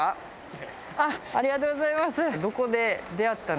ありがとうございます。